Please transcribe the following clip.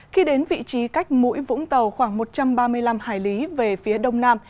khi đến vị trí cách mũi vũng tàu khoảng một trăm ba mươi năm hải lý về phía đông nam